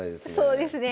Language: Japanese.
そうですね。